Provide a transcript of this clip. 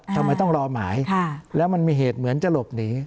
ทำไมต้องรอหมายแล้วมันมีเหตุเหมือนจะหลบหนี